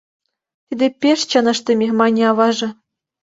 Тиде пеш чын ыштыме, - мане аваже.